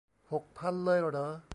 หกพันเลยเหรอ